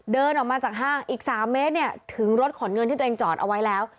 เดินออกมาจากห้างอีก๓เมตรเนี่ยถึงรถขนเงินที่ตัวเองจอดเอาไว้แล้ว